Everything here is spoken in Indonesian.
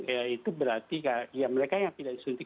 ya itu berarti ya mereka yang tidak disuntik